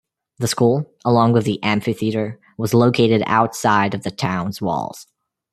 The school, along with the amphitheater, was located outside of the town's walls.